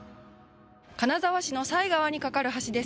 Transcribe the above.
金沢市の犀川に架かる橋です。